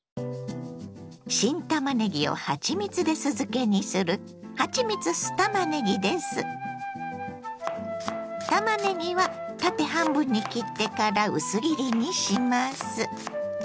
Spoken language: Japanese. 新たまねぎをはちみつで酢漬けにするたまねぎは縦半分に切ってから薄切りにします。